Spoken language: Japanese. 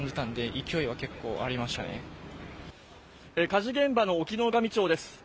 火事現場の沖野上町です。